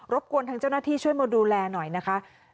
บกวนทางเจ้าหน้าที่ช่วยมาดูแลหน่อยนะคะ